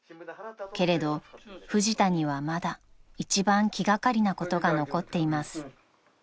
［けれどフジタにはまだ一番気掛かりなことが残っています］